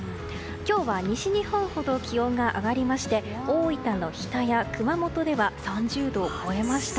今日は西日本ほど気温が上がりまして大分の日田や、熊本では３０度を超えました。